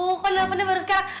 kok kenapa baru sekarang